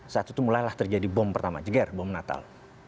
saat itu mulailah terjadi bom pertama jeger bom natal